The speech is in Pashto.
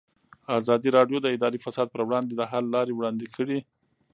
ازادي راډیو د اداري فساد پر وړاندې د حل لارې وړاندې کړي.